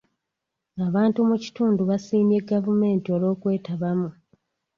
Abantu mu kitundu basiimye gavumenti olw'okwetabamu.